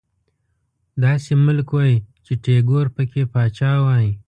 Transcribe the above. داسې ملک وای چې ټيګور پکې پاچا وای